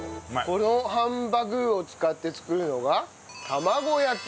このハンバ具ーを使って作るのが玉子焼き。